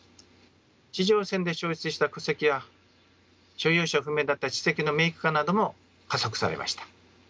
地上戦で焼失した戸籍や所有者不明だった地籍の明確化なども加速されました。